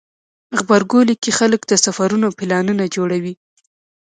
غبرګولی کې خلک د سفرونو پلانونه جوړوي.